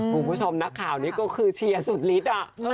คุณผู้ชมนักข่าวนี้ก็คือเชียร์สุดฤทธิ์